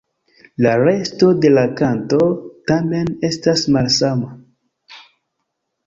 La resto de la kanto, tamen, estas malsama.